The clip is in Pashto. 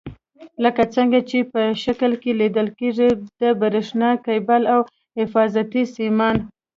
لکه څنګه چې په شکل کې لیدل کېږي د برېښنا کیبل او حفاظتي سیمان.